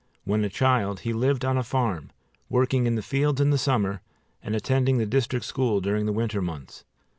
When a child he lived on a farm, working in the fields in the summer and attending the district school during the winter months.